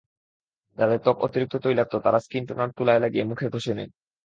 যাদের ত্বক অতিরিক্ত তৈলাক্ত, তারা স্কিন টোনার তুলায় লাগিয়ে মুখে ঘষে নিন।